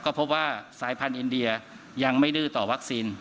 ก็พบว่าสายพันธุ์อินเดียยังไม่ดื้อต่อวัคซีน